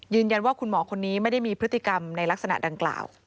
ยืนยันว่าคุณหมอคนนี้ไม่ได้มีพฤติกรรมในลักษณะดังกล่าว